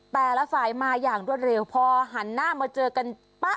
แต่ละสายมาอย่างรวดเร็วพอหันหน้ามาเจอกันป๊ะ